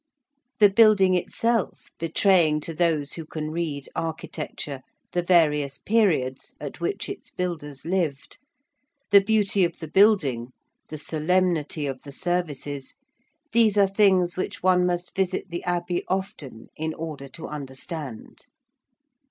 The building itself betraying to those who can read architecture the various periods at which its builders lived: the beauty of the building, the solemnity of the services these are things which one must visit the Abbey often in order to understand.